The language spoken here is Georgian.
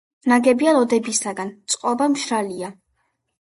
ნაგებია ლოდებისაგან, წყობა მშრალია.